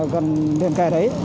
gần đền kề đấy